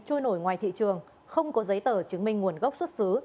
trôi nổi ngoài thị trường không có giấy tờ chứng minh nguồn gốc xuất xứ